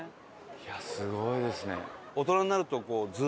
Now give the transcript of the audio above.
いやすごいですね。